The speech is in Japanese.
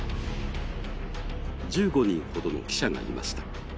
１５人ほどの記者がいました。